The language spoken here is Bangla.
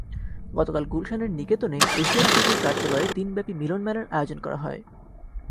গতকাল গুলশানের নিকেতনে এশিয়ান টিভির কার্যালয়ে দিনব্যাপী মিলনমেলার আয়োজন করা হয়।